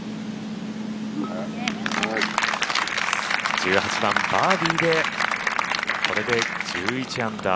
１８番、バーディーでこれで１１アンダー